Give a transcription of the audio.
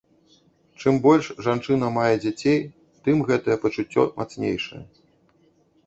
Чым больш жанчына мае дзяцей, тым гэтае пачуццё мацнейшае.